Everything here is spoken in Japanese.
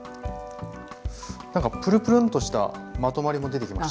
なんかぷるぷるんとしたまとまりも出てきました。